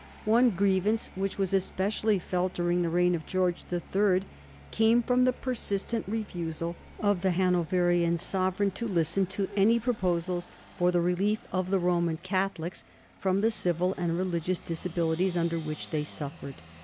One grievance which was especially felt during the reign of George the Third came from the persistent refusal of the Hanoverian Sovereign to listen to any proposals for the relief of the Roman Catholics from the civil and religious disabilities under which they suffered.